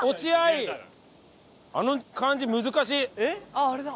あっあれだ。